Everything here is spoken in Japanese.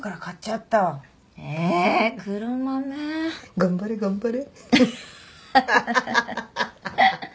頑張れ頑張れ。